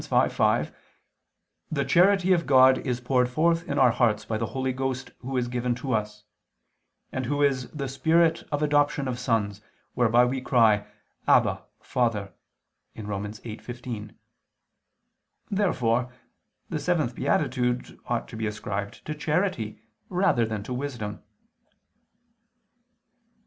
5:5), "the charity of God is poured forth in our hearts by the Holy Ghost Who is given to us," and Who is "the Spirit of adoption of sons, whereby we cry: Abba [Father]" (Rom. 8:15). Therefore the seventh beatitude ought to be ascribed to charity rather than to wisdom.